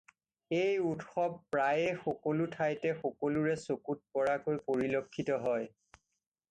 এই উৎসৱ প্ৰায়ে সকলো ঠাইতে সকলোৰে চকুত পৰাকৈ পৰিলক্ষিত হয়।